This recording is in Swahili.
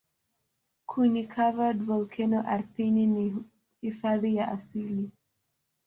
Kuni-covered volkeno ardhini ni hifadhi ya asili.